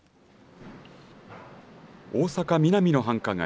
大阪、ミナミの繁華街。